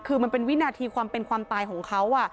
คือมันเป็นวินาทีความเป็นความตายของเขา